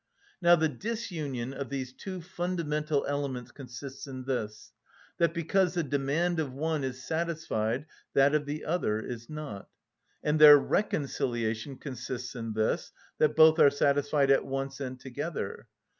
Now the disunion of these two fundamental elements consists in this, that because the demand of one is satisfied that of the other is not; and their reconciliation consists in this, that both are satisfied at once and together.